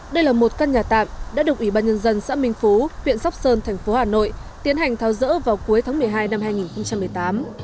đây là một căn nhà tạm đã được ủy ban nhân dân xã minh phú huyện sóc sơn thành phố hà nội tiến hành tháo rỡ vào cuối tháng một mươi hai năm hai nghìn một mươi tám